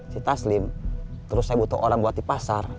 si taslim terus saya butuh orang buat di pasar